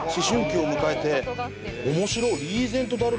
面白い。